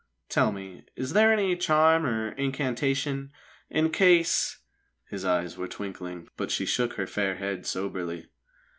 "Tell me, is there any charm or incantation, in case ?" His eyes were twinkling, but she shook her fair head soberly.